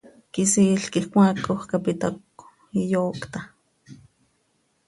Quisiil quij cmaacoj cap itahcö, iyoocta.